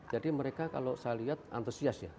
jadi mereka kalau saya lihat antusias ya